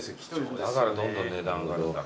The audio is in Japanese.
だからどんどん値段上がるんだな。